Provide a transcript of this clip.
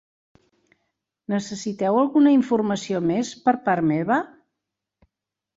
Necessiteu alguna informació més per part meva?